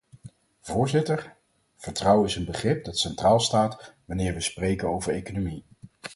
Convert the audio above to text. Voorzitter, vertrouwen is een begrip dat centraal staat wanneer we spreken over economie.